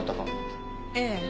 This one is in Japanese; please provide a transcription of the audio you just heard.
ええ。